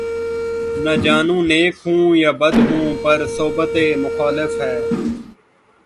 نہ جانوں نیک ہوں یا بد ہوں‘ پر صحبت مخالف ہے